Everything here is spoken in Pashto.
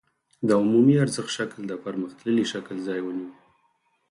د عمومي ارزښت شکل د پرمختللي شکل ځای ونیو